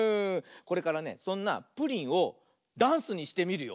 これからねそんなプリンをダンスにしてみるよ。